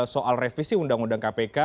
soal revisi undang undang kpk